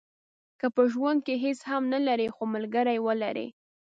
که په ژوند کې هیڅ هم نه لرئ خو ملګری ولرئ.